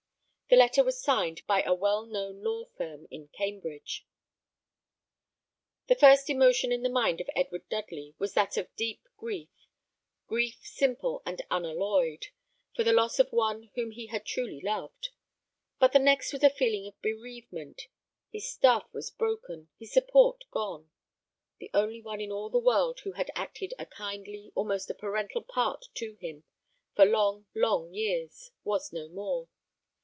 The letter was signed by a well known law firm in Cambridge. The first emotion in the mind of Edward Dudley was that of deep grief grief, simple and unalloyed, for the loss of one whom he had truly loved; but the next was a feeling of bereavement. His staff was broken, his support gone, The only one in all the world who had acted a kindly, almost a parental part to him, for long, long years, was no more.